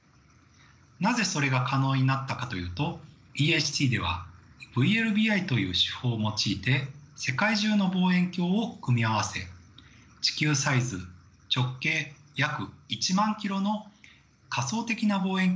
なぜそれが可能になったかというとＥＨＴではＶＬＢＩという手法を用いて世界中の望遠鏡を組み合わせ地球サイズ直径約１万キロの仮想的な望遠鏡をつくり上げたからです。